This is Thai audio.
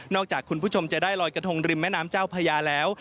จากคุณผู้ชมจะได้ลอยกระทงริมแม่น้ำเจ้าพญาแล้ว